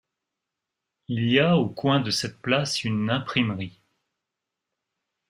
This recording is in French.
Il y a au coin de cette place une imprimerie.